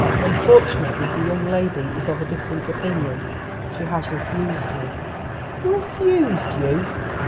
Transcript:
Unfortunately the young lady is of a different opinion. She has refused me." "Refused you!